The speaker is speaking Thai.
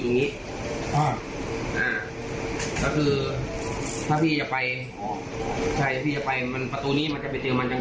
แล้วคือถ้าพี่จะไปประตูนี้มันจะไปเตรียมมันจัง